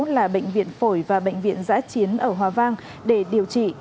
là bệnh viện phổi và bệnh viện giã chiến ở hòa vang để điều trị